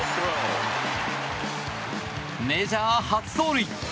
メジャー初盗塁。